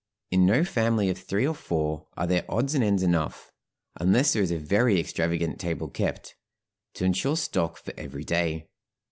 In no family of three or four are there odds and ends enough, unless there is a very extravagant table kept, to insure stock for every day.